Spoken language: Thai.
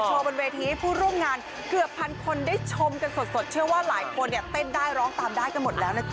บนเวทีให้ผู้ร่วมงานเกือบพันคนได้ชมกันสดเชื่อว่าหลายคนเนี่ยเต้นได้ร้องตามได้กันหมดแล้วนะจ๊